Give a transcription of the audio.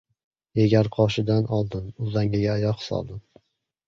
Yegar qoshidan oldim. Uzangiga oyoq soldim.